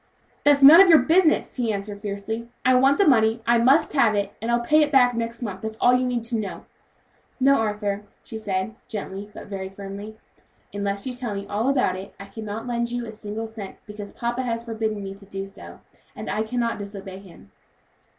"That's none of your business," he answered, fiercely. "I want the money; I must have it, and I'll pay it back next month, and that's all you need to know." "No, Arthur," she said gently, but very firmly, "unless you tell me all about it, I cannot lend you a single cent, because papa has forbidden me to do so, and I cannot disobey him."